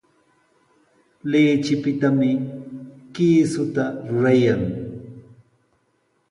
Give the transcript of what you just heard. Lichipitami kiisuta rurayan.